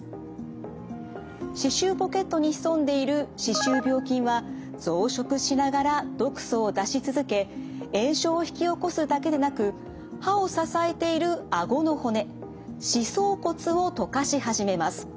歯周ポケットに潜んでいる歯周病菌は増殖しながら毒素を出し続け炎症を引き起こすだけでなく歯を支えているあごの骨歯槽骨を溶かし始めます。